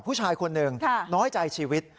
ผู้ชายคนหนึ่งน้อยใจชีวิต